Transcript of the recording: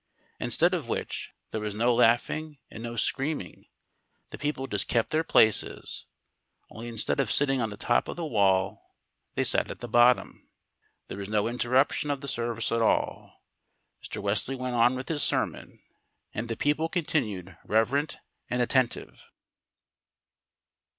Instead of which, there was no laughing and no screaming; the people just kept their places, only instead of sitting on the top of the wall they sat at the bottom. There was no interruption of the service at all; Mr. Wesley went on with his sermon, and the people continued reverent and attentive.